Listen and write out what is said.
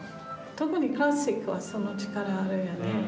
特にクラシックはその力あるんやね。